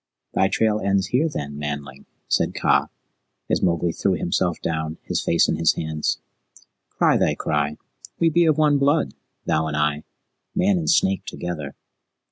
"Thy trail ends here, then, Manling?" said Kaa, as Mowgli threw himself down, his face in his hands. "Cry thy cry. We be of one blood, thou and I man and snake together."